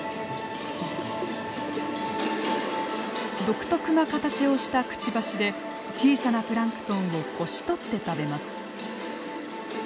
独特な形をしたくちばしで小さなプランクトンをこしとって食べます。